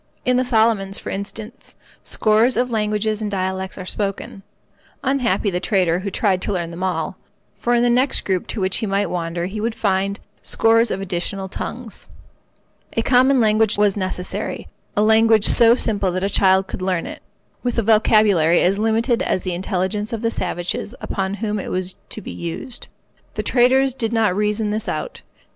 In the Solomons, for instance, scores of languages and dialects are spoken. Unhappy the trader who tried to learn them all; for in the next group to which he might wander he would find scores of additional tongues. A common language was necessary—a language so simple that a child could learn it, with a vocabulary as limited as the intelligence of the savages upon whom it was to be used. The traders did not reason this out.